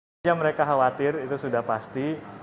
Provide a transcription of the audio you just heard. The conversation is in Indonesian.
sehingga mereka khawatir itu sudah pasti